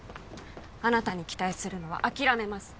あなたに期待するのは諦めます